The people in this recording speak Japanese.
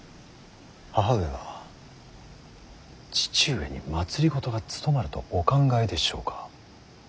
義母上は父上に政が務まるとお考えでしょうか。